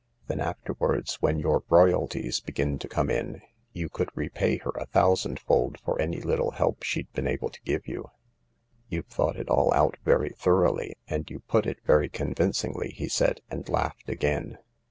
Then afterwards/when your royalties begin to come in, you could repay her a thousandfold for any little help she'd been able to give you " You ve thought it all out very thoroughly, and you put it very convincingly,'' he said, and laughed again.